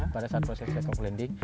pada saat proses take off landing